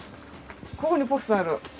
ここにポストある。